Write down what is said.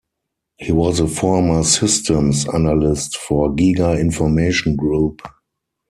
He was a former systems analyst for Giga Information Group.